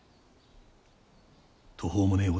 途方もねえ